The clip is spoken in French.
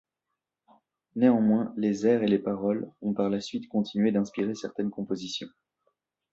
Néanmoins, les airs et les paroles ont par la suite continué d'inspirer certaines compositions.